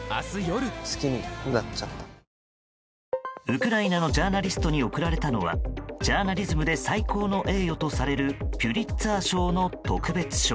ウクライナのジャーリストに贈られたのはジャーナリズムで最高の栄誉とされるピュリツァー賞の特別賞。